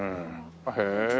へえ！